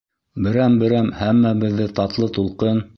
Берәм-берәм һәммәбеҙҙе татлы тулҡын.